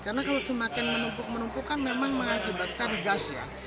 karena kalau semakin menumpuk menumpuk kan memang mengakibatkan gas ya